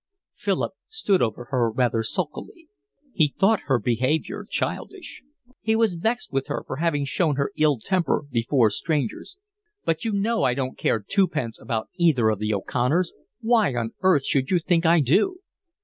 Philip stood over her rather sulkily. He thought her behaviour childish. He was vexed with her for having shown her ill temper before strangers. "But you know I don't care twopence about either of the O'Connors. Why on earth should you think I do?"